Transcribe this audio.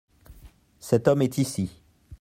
Cet homme est ici.